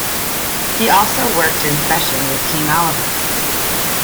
He also worked in session with King Oliver.